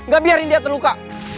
gak biarin dia terluka